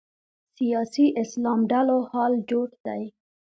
سیاسي اسلام ډلو حال جوت دی